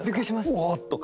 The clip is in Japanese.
「うおっ！」とか。